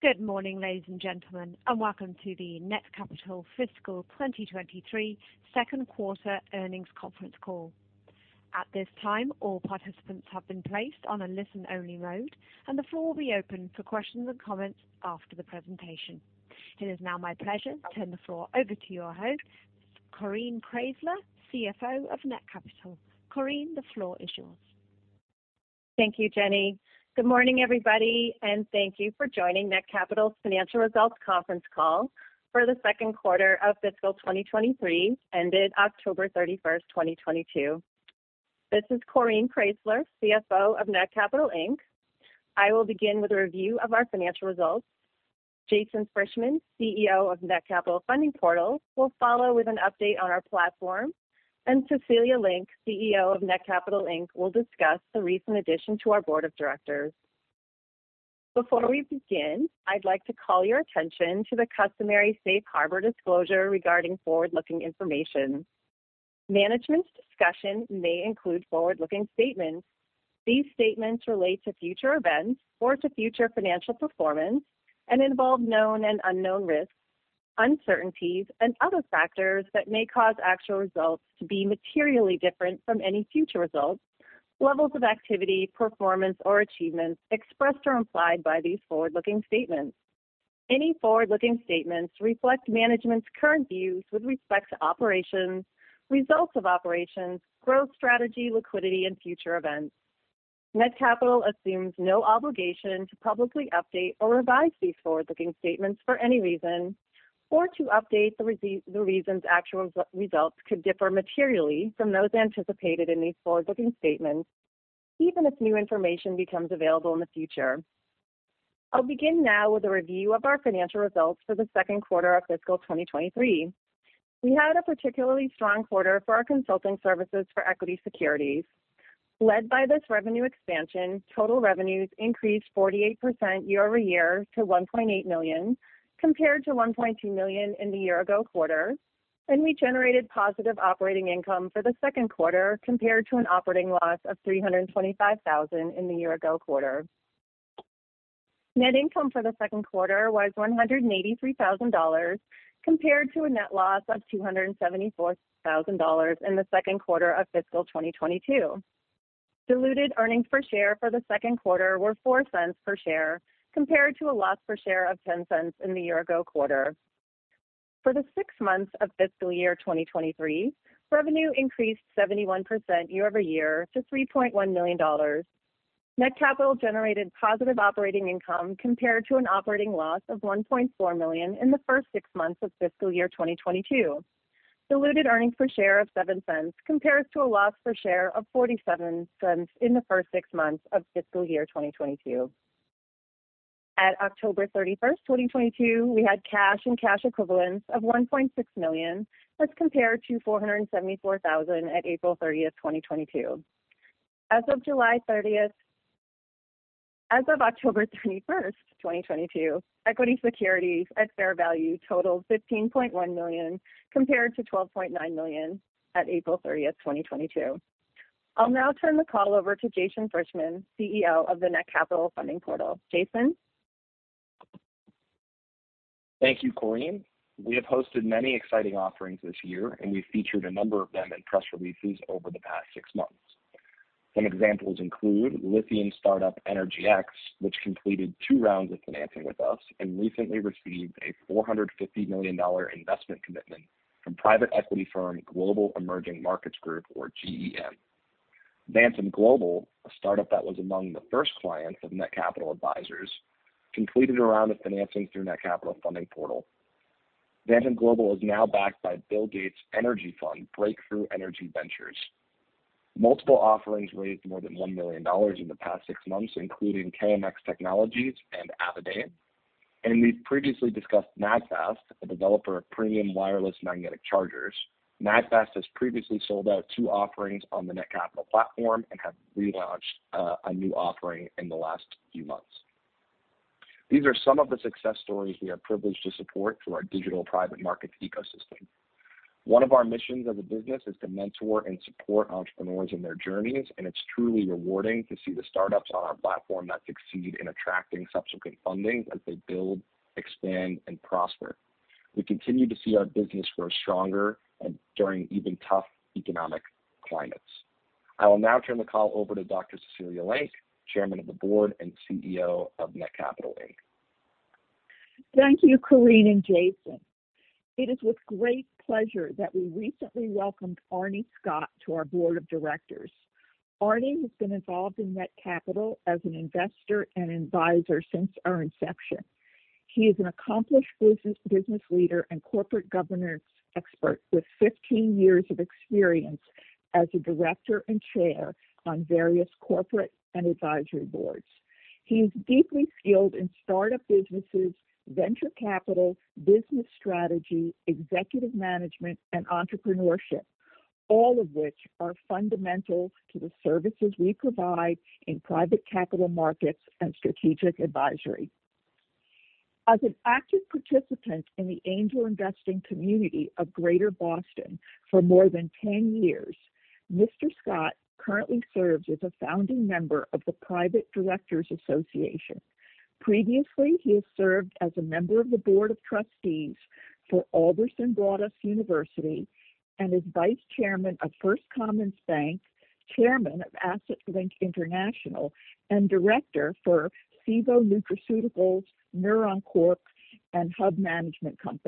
Good morning, ladies and gentlemen, and welcome to the Netcapital fiscal 2023 second quarter earnings conference call. At this time, all participants have been placed on a listen-only mode, and the floor will be open for questions and comments after the presentation. It is now my pleasure to turn the floor over to your host, Coreen Kraysler, CFO of Netcapital. Coreen, the floor is yours. Thank you, Jenny. Good morning, everybody, and thank you for joining Netcapital Financial Results conference call for the second quarter of fiscal 2023 ended October 31, 2022. This is Coreen Kraysler, CFO of Netcapital Inc. I will begin with a review of our financial results. Jason Frishman, CEO of Netcapital Funding Portal, will follow with an update on our platform, and Cecilia Lenk, CEO of Netcapital Inc., will discuss the recent addition to our board of directors. Before we begin, I'd like to call your attention to the customary safe harbor disclosure regarding forward-looking information. Management's discussion may include forward-looking statements. These statements relate to future events or to future financial performance and involve known and unknown risks, uncertainties, and other factors that may cause actual results to be materially different from any future results, levels of activity, performance, or achievements expressed or implied by these forward-looking statements. Any forward-looking statements reflect management's current views with respect to operations, results of operations, growth strategy, liquidity, and future events. Netcapital assumes no obligation to publicly update or revise these forward-looking statements for any reason or to update the reasons actual results could differ materially from those anticipated in these forward-looking statements, even if new information becomes available in the future. I'll begin now with a review of our financial results for the second quarter of fiscal 2023. We had a particularly strong quarter for our consulting services for equity securities. Led by this revenue expansion, total revenues increased 48% year-over-year to 1.8 million, compared to 1.2 million in the year ago quarter. We generated positive operating income for the second quarter, compared to an operating loss of 325,000 in the year ago quarter. Net income for the second quarter was 183,000 compared to a net loss of 274,000 in the second quarter of fiscal 2022. Diluted earnings per share for the second quarter were 0.04 per share compared to a loss per share of 0.10 in the year ago quarter. For the six months of fiscal year 2023, revenue increased 71% year-over-year to $3.1 million. Netcapital generated positive operating income compared to an operating loss of 1.4 million in the first six months of fiscal year 2022. Diluted earnings per share of 0.07 compares to a loss per share of 0.47 in the first six months of fiscal year 2022. At October 31, 2022, we had cash and cash equivalents of 1.6 million. Let's compare to 474,000 at April 30, 2022. As of October 31, 2022, equity securities at fair value totaled 15.1 million compared-12.9 million at April 30, 2022. I'll now turn the call over to Jason Frishman, CEO of the Netcapital Funding Portal. Jason. Thank you, Coreen. We have hosted many exciting offerings this year, and we featured a number of them in press releases over the past six months. Some examples include Lithium startup EnergyX, which completed two rounds of financing with us and recently received a $450 million investment commitment from private equity firm Global Emerging Markets Group, or GEM. Vantem Global, a startup that was among the first clients of Netcapital Advisors, completed a round of financing through Netcapital Funding Portal. Vantem Global is now backed by Bill Gates' energy fund, Breakthrough Energy Ventures. Multiple offerings raised more than $1 million in the past six months, including KMX Technologies and Avadain. We've previously discussed MAGFAST, a developer of premium wireless magnetic chargers. MAGFAST has previously sold out two offerings on the Netcapital platform and have relaunched a new offering in the last few months. These are some of the success stories we are privileged to support through our digital private markets ecosystem. One of our missions as a business is to mentor and support entrepreneurs in their journeys, and it's truly rewarding to see the startups on our platform that succeed in attracting subsequent funding as they build, expand, and prosper. We continue to see our business grow stronger during even tough economic climates. I will now turn the call over to Dr. Cecilia Lenk, Chairman of the Board and CEO of Netcapital Inc. Thank you, Coreen and Jason. It is with great pleasure that we recently welcomed Arnie Scott to our board of directors. Arnie has been involved in Netcapital as an investor and advisor since our inception. He is an accomplished business leader and corporate governance expert with 15 years of experience as a director and chair on various corporate and advisory boards. He is deeply skilled in start-up businesses, venture capital, business strategy, executive management, and entrepreneurship, all of which are fundamental to the services we provide in private capital markets and strategic advisory. As an active participant in the angel investing community of Greater Boston for more than 10 years, Mr. Scott currently serves as a founding member of the Private Directors Association. Previously, he has served as a member of the board of trustees for Alderson Broaddus University and is vice chairman of First Commons Bank, chairman of Asset Link International, and director for Cevo Nutraceuticals, Pneuron Corp., and Hub Management Co.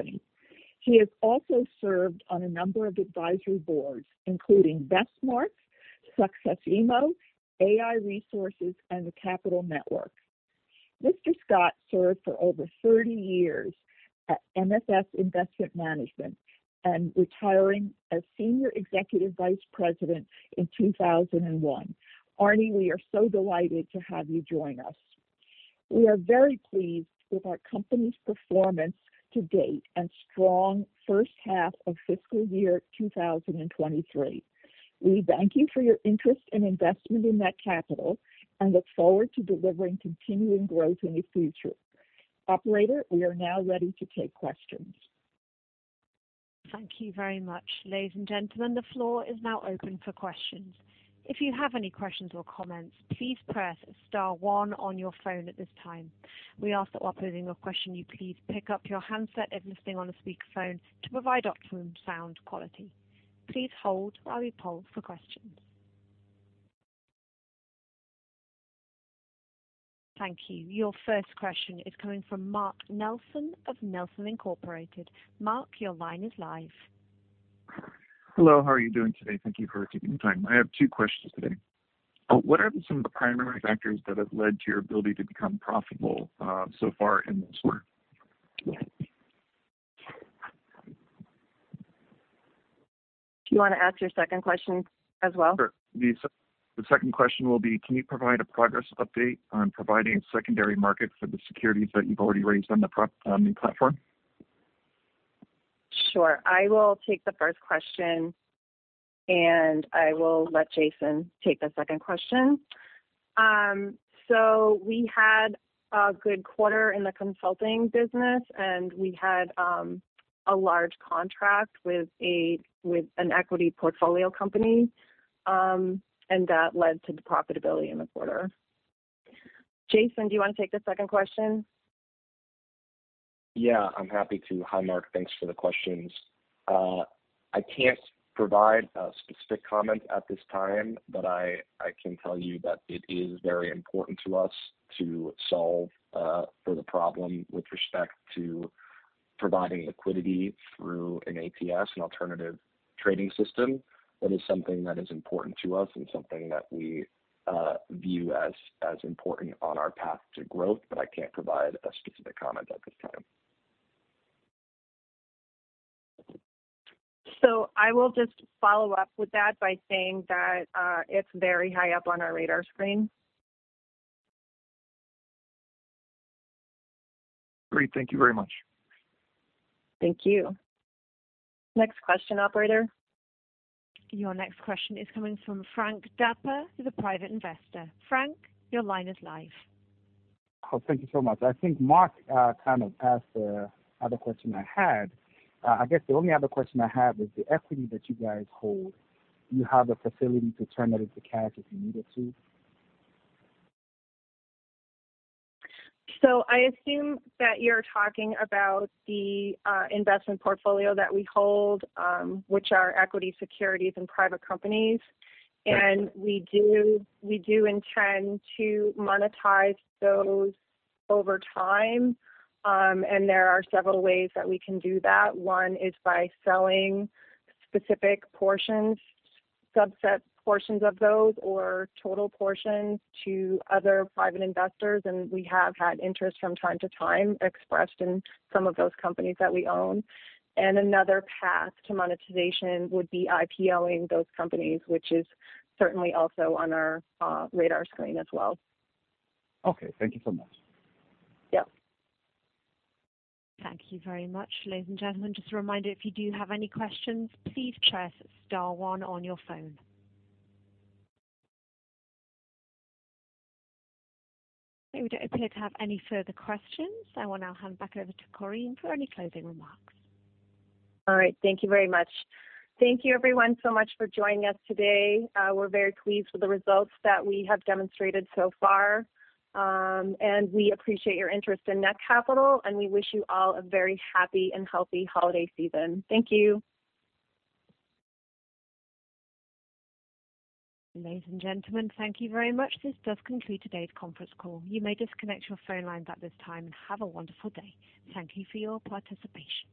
He has also served on a number of advisory boards, including Vestmark, Successto, AI Resources, and The Capital Network. Mr. Scott served for over 30 years at MFS Investment Management and retiring as senior executive vice president in 2001. Arnie, we are so delighted to have you join us. We are very pleased with our company's performance to date and strong first half of fiscal year 2023. We thank you for your interest and investment in Netcapital and look forward to delivering continuing growth in the future. Operator, we are now ready to take questions. Thank you very much. Ladies and gentlemen, the floor is now open for questions. If you have any questions or comments, please press star one on your phone at this time. We ask that while posing your question, you please pick up your handset if listening on a speaker phone to provide optimum sound quality. Please hold while we poll for questions. Thank you. Your first question is coming from Mark Nelson of H.C. Wainwright. Mark, your line is live. Hello, how are you doing today? Thank you for taking the time. I have two questions today. What are some of the primary factors that have led to your ability to become profitable so far in this quarter? Do you wanna ask your second question as well? Sure. The second question will be, can you provide a progress update on providing secondary markets for the securities that you've already raised on the platform? Sure. I will take the first question. I will let Jason take the second question. We had a good quarter in the consulting business, and we had a large contract with an equity portfolio company that led to the profitability in the quarter. Jason, do you wanna take the second question? Yeah, I'm happy to. Hi, Mark. Thanks for the questions. I can't provide a specific comment at this time, but I can tell you that it is very important to us to solve for the problem with respect to providing liquidity through an ATS, an alternative trading system. That is something that is important to us and something that we view as important on our path to growth, but I can't provide a specific comment at this time. I will just follow up with that by saying that, it's very high up on our radar screen. Great. Thank you very much. Thank you. Next question, operator. Your next question is coming from Frank T. D'Apuzzo, who's a private investor. Frank, your line is live. Oh, thank you so much. I think Mark kind of asked the other question I had. I guess the only other question I have is the equity that you guys hold. Do you have a facility to turn that into cash if you needed to? I assume that you're talking about the investment portfolio that we hold, which are equity securities in private companies. Right. We do intend to monetize those over time, and there are several ways that we can do that. One is by selling specific portions, subset portions of those or total portions to other private investors, and we have had interest from time to time expressed in some of those companies that we own. Another path to monetization would be IPO-ing those companies, which is certainly also on our radar screen as well. Okay. Thank you so much. Yep. Thank you very much. Ladies and gentlemen, just a reminder, if you do have any questions, please press star 1 on your phone. We don't appear to have any further questions. I will now hand back over to Coreen for any closing remarks. All right. Thank you very much. Thank you everyone so much for joining us today. We're very pleased with the results that we have demonstrated so far, and we appreciate your interest in Netcapital, and we wish you all a very happy and healthy holiday season. Thank you. Ladies and gentlemen, thank you very much. This does conclude today's conference call. You may disconnect your phone lines at this time, and have a wonderful day. Thank you for your participation.